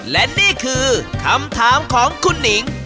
และนี่คือคำถามของคุณหนิง